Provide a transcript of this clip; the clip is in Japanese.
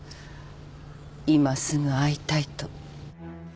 今すぐ会いたいと。